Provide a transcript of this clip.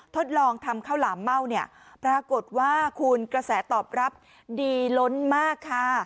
ทดลองทำข้าวหลามเม่าเนี่ยปรากฏว่าคุณกระแสตอบรับดีล้นมากค่ะ